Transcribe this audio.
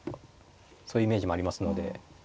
そういうイメージもありますので。